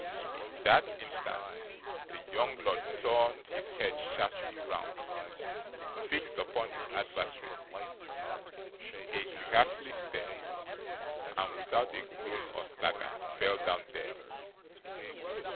In that instant, the young lord turned his head sharply round, fixed upon his adversary a ghastly stare, and without a groan or stagger, fell down dead.